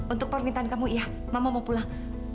untuk permintaan kamu iya mama mau pulang